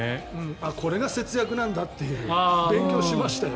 これが節約なんだって勉強しましたよ。